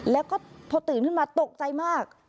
แล้วก็พอตื่นขึ้นมาตกใจมาก